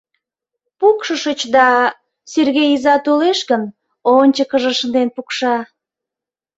— Пукшышыч да, Сергей иза толеш гын, ончыкыжо шынден пукша.